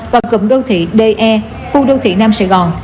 và cụm đô thị de khu đô thị nam sài gòn